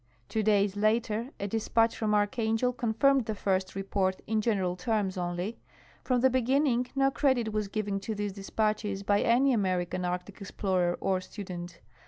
Two days later a dispatch from Archangel confirmed the first re port in general terms onl3^ From the beginning no credit was given to these dispatches by any American arctic explorer or student.